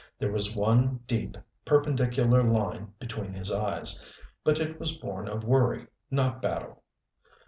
There was one deep, perpendicular line between his eyes, but it was born of worry, not battle.